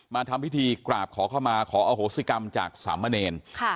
มาทำพิธีกราบขอเข้ามาขออโหสิกรรมจากสำเนย์ค่ะ